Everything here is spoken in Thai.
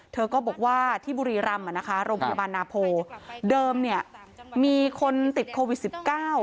เธอก็บอกว่าที่บุรีรำอ่ะนะคะโรงพยาบาลนาโพเดิมเนี่ยมีคนติดโควิดสิบเก้า